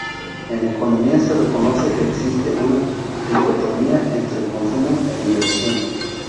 En economía se reconoce que existe una dicotomía entre consumo e inversión.